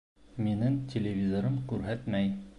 Минең телевизорым күрһәтмәй